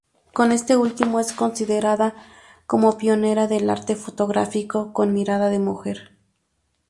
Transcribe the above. Con este último, es considerada como pionera del arte fotográfico con mirada de mujer.